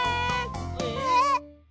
えっ？